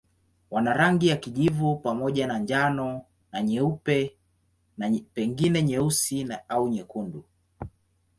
Wana rangi ya kijivu pamoja na njano na nyeupe na pengine nyeusi au nyekundu.